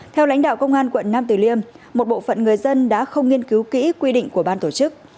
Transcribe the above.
theo lãnh đạo công an quận nam tử liêm một bộ phận người dân đã không nghiên cứu kỹ quy định của ban tổ chức